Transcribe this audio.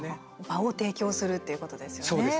場を提供するということですよね。